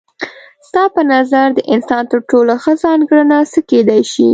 ستا په نظر د انسان تر ټولو ښه ځانګړنه څه کيدای شي؟